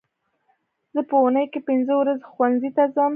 زه په اونۍ کې پینځه ورځې ښوونځي ته ځم